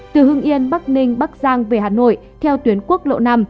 từ hưng yên bắc ninh bắc giang về hà nội theo tuyến quốc lộ năm